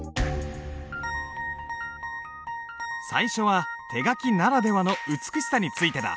最初は手書きならではの美しさについてだ。